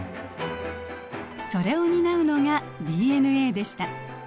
それを担うのがＤＮＡでした。